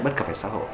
bất cập phải xác hộ